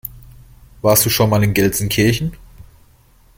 Warst du schon mal in Gelsenkirchen?